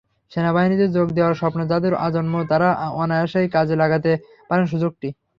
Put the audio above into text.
সেনাবাহিনীতে যোগ দেওয়ার স্বপ্ন যাঁদের আজন্ম তাঁরা অনায়াসেই কাজে লাগাতে পারেন সুযোগটি।